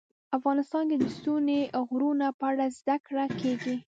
افغانستان کې د ستوني غرونه په اړه زده کړه کېږي.